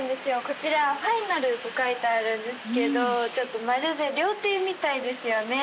こちら「ｆｉｎａｌ」と書いてあるんですけどちょっとまるで料亭みたいですよね